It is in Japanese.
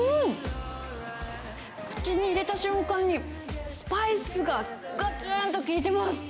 口に入れた瞬間に、スパイスががつんと効いてます。